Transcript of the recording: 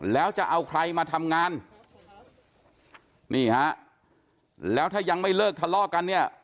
แล้วจะเอาใครมาทำงานนี่ฮะแล้วถ้ายังไม่เลิกทะเลาะกันเนี่ย